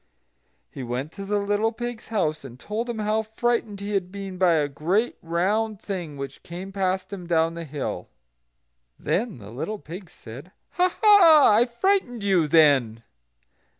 He went to the little pig's house, and told him how frightened he had been by a great round thing which came past him down the hill. Then the little pig said: "Ha! ha! I frightened you, then!"